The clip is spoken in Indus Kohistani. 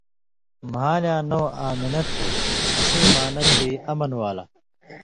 مھالیاں نؤں آمنہ تُھو، اسیں معنیٰ تھی، 'امن والا'۔